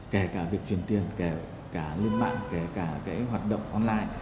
kể cả việc truyền tiền kể cả lên mạng kể cả hoạt động online